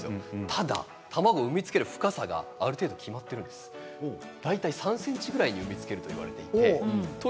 ただ、卵を産みつける深さはある程度決まっていて３ｃｍぐらいで産みつけるといわれています。